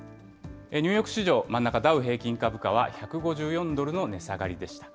ニューヨーク市場、真ん中、ダウ平均株価は１５４ドルの値下がりでした。